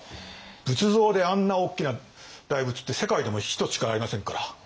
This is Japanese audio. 仏像であんな大きな大仏って世界でもひとつしかありませんから。